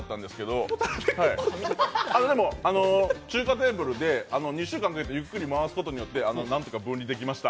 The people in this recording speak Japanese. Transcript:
でも、中華テーブルで２週間ゆっくり回すことによって何とか分離できました。